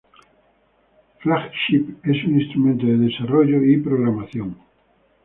FlagShip es un instrumento de desarrollo y programación.